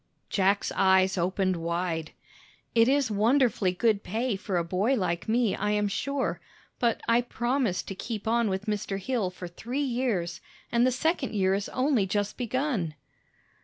Jack's eyes opened wide. "It is wonderfully good pay for a boy like me, I am sure. But I promised to keep on with Mr. Hill for three years, and the second year is only just begun."